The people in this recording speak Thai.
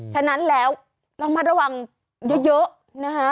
ฉะนั้นแล้วระมัดระวังเยอะนะคะ